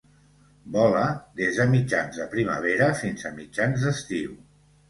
Vola des de mitjans de primavera fins a mitjans d'estiu.